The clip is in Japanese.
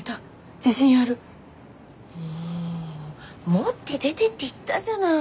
もう持って出てって言ったじゃない。